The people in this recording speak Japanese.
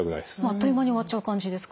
あっという間に終わっちゃう感じですか？